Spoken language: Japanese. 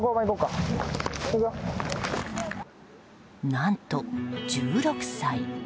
何と、１６歳。